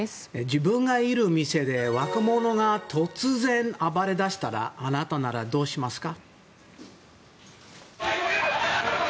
自分がいる店で若者が突然暴れだしたらあなたならどうしますか。